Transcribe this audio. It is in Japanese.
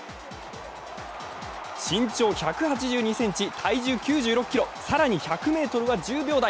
身長１８２ｃｍ、体重９６ｋｇ、更に１００ｍは１０秒台。